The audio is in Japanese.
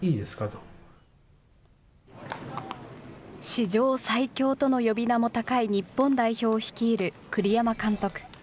史上最強との呼び名も高い、日本代表を率いる栗山監督。